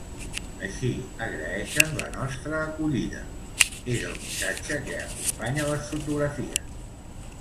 Així agraeixen la nostra acollida, és el missatge que acompanya les fotografies.